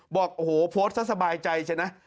บอกโอ้โหโพสต์ซะสบายใจใช่ไหม